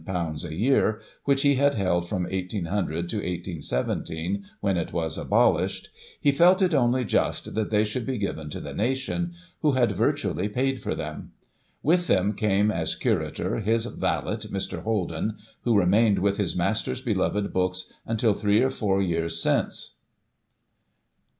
[1847 of ;£"2,ooo a year, which he had held from 1800 to 181 7, when it was abolished, he felt it only just that they should be given to the nation, who had virtually paid for them. With them came, as curator, his valet, Mr. Holden, who remained with his master's beloved books until three or four years since.